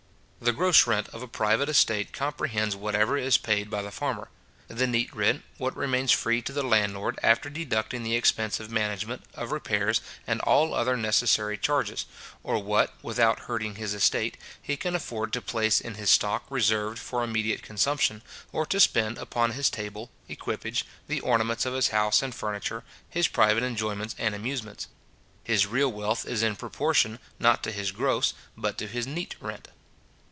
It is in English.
The gross rent of a private estate comprehends whatever is paid by the farmer; the neat rent, what remains free to the landlord, after deducting the expense of management, of repairs, and all other necessary charges; or what, without hurting his estate, he can afford to place in his stock reserved for immediate consumption, or to spend upon his table, equipage, the ornaments of his house and furniture, his private enjoyments and amusements. His real wealth is in proportion, not to his gross, but to his neat rent.